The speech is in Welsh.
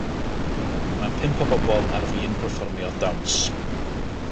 Mae pump o bobl ar fin perfformio dawns.